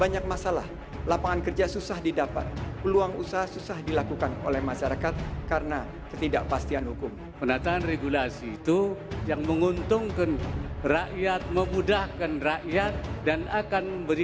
jangan lupa like share dan subscribe ya